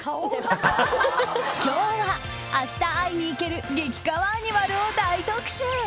今日は明日会いに行ける激かわアニマルを大特集。